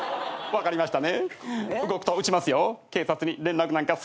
分かりました。